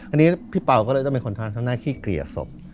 อันนี้พี่เป๋าก็เลยจะเป็นคนทางหน้าขี้เกลียดศพ